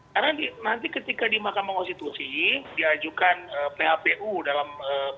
karena nanti ketika di mahkamah konstitusi diajukan phpu dalam